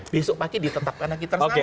besok pagi ditetapkan lagi tersangka